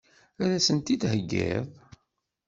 Ad as-ten-id-theggiḍ?